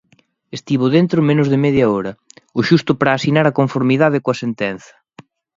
Estivo dentro menos de media hora, o xusto para asinar a conformidade coa sentenza.